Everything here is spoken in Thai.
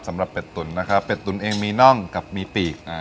เป็ดตุ๋นนะครับเป็ดตุ๋นเองมีน่องกับมีปีก